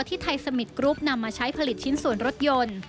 ที่ไทยสมิทกรุ๊ปนำมาใช้ผลิตชิ้นส่วนรถยนต์